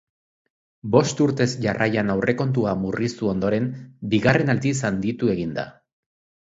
Bost urtez jarraian aurrekontua murriztu ondoren, bigarren aldiz handitu egin da.